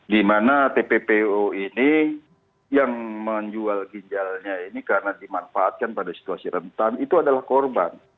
di mana tppo ini yang menjual ginjalnya ini karena dimanfaatkan pada situasi rentan itu adalah korban